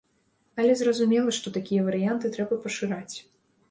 Але зразумела, што такія варыянты трэба пашыраць.